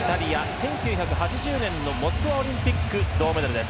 １９８０年のモスクワオリンピック銅メダルです。